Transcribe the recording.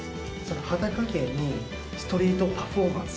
裸芸にストリートパフォーマンス。